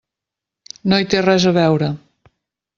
No hi té res a veure.